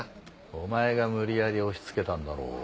お前が無理やり押し付けたんだろうが。